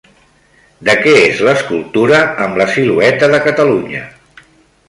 De què és l'escultura amb la silueta de Catalunya?